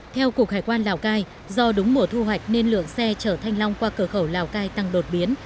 theo cục hải quan lào cai do đúng mùa thu hoạch nên lượng xe chở thanh long qua cửa khẩu lào cai tăng đột biến